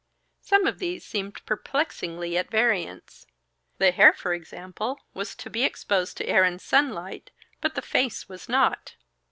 Some of these seemed perplexingly at variance. The hair, for example, was to be exposed to air and sunlight, but the face was not.